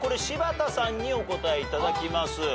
柴田さんにお答えいただきます。